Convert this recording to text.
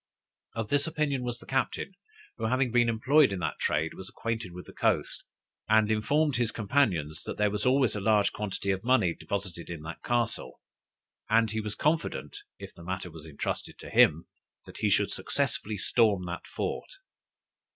Of this opinion was the captain, who having been employed in that trade, was acquainted with the coast; and informed his companions, that there was always a large quantity of money deposited in that castle, and he was confident, if the matter was entrusted to him, he should successfully storm that fort.